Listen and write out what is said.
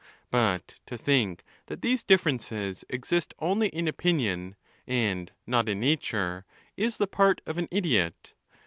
; 3 But to think that these differences exist only i in opinion,' and not in nature, is the part of an idiot.